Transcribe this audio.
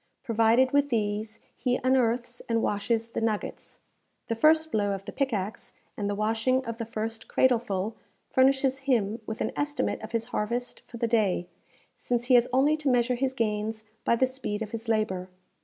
Provided with these, he unearths and washes the nuggets. The first blow of the pickaxe, and the washing of the first cradleful furnishes him with an estimate of his harvest for the day; since he has only to measure his gains by the speed of his labour.